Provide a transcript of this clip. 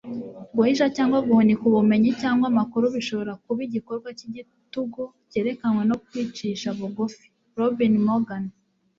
guhisha cyangwa guhunika ubumenyi cyangwa amakuru bishobora kuba igikorwa cy'igitugu cyerekanwe no kwicisha bugufi. - robin morgan